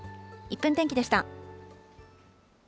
１分天気でした。